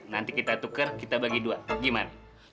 nanti kita tukar kita bagi dua gimana